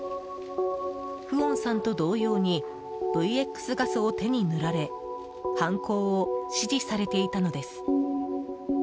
フオンさんと同様にＶＸガスを手に塗られ犯行を指示されていたのです。